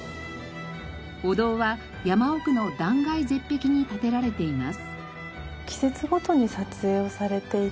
お堂は山奥の断崖絶壁に建てられています。